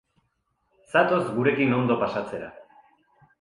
Zatoz gurekin ondo pasatzera!